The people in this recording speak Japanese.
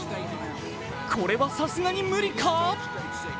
これはさすがに無理か？